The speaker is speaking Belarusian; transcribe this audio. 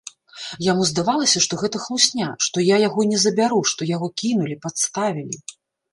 Яму здавалася, што гэта хлусня, што я яго не забяру, што яго кінулі, падставілі.